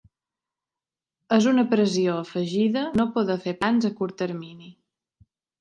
És una pressió afegida no poder fer plans a curt termini.